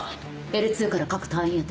Ｌ２から各隊員宛て。